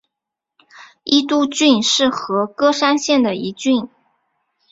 伊都郡是和歌山县的一郡。